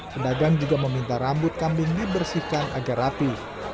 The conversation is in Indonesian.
pedagang juga meminta rambut kambing dibersihkan agar rapi